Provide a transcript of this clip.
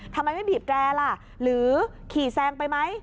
ทำไมไม่บีบแกร่ล่ะหรือขี่แซงไปไหม